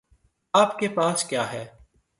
آپ کے پاس کیا ہے؟